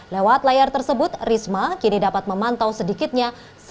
lewat layar tersebut risma kini dapat memantau sedikitnya